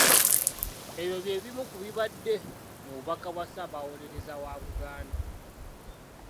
Ebyo bye bimu ku bibadde mu bubaka bwa Ssaabawolereza wa Buganda.